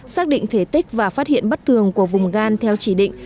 xác định thể tích và phát hiện bất thường của vùng gan theo chỉ định